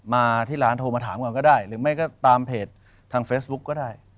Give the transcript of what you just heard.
มาที่ร้านโทรมาถามก่อนก็ได้หรือไม่ก็ตามเพจทางเฟซบุ๊กก็ได้